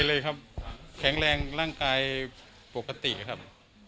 คือตอนนั้นคุณรู้สึกอาการอะไรอย่างไรอยากเล่าเท่านั้น